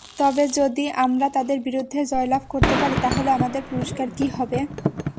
তবে যদি আমরা তাদের বিরুদ্ধে জয়লাভ করতে পারি, তাহলে আমাদের পুরস্কার কী হবে?